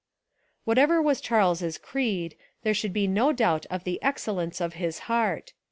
Whatever was Charles's creed, there should be no doubt of the excellence of his heart.